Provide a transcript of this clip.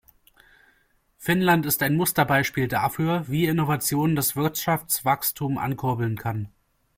Finnland ist ein Musterbeispiel dafür, wie Innovation das Wirtschaftswachstum ankurbeln kann.